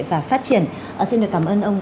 và phát triển xin được cảm ơn ông